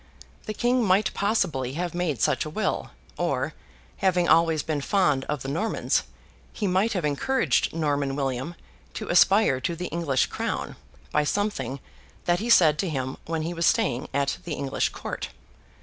The King might possibly have made such a will; or, having always been fond of the Normans, he might have encouraged Norman William to aspire to the English crown, by something that he said to him when he was staying at the English court.